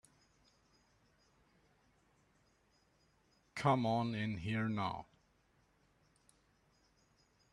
Come on in here now.